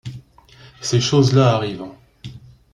Ces choses-là arrivent.